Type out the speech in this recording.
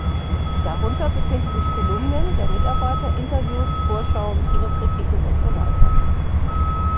Darunter befinden sich Kolumnen der Mitarbeiter, Interviews, Vorschauen, Kino-Kritiken usw.